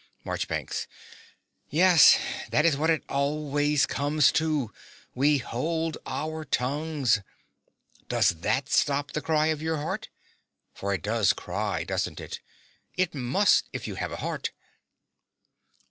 MARCHBANKS. Yes: that is what it always comes to. We hold our tongues. Does that stop the cry of your heart? for it does cry: doesn't it? It must, if you have a heart.